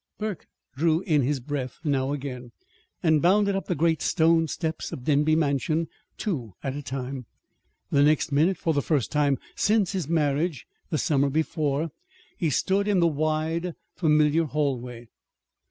Burke drew in his breath now again, and bounded up the great stone steps of Denby Mansion, two at a time. The next minute, for the first time since his marriage the summer before, he stood in the wide, familiar hallway.